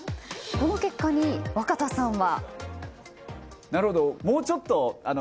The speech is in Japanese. この結果に若田さんは。